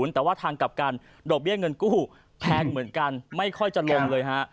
แต่ว่าทางกลับกันดอกเบี้ยเงินกู้แพงเหมือนกันไม่ค่อยจะลงเลยฮะ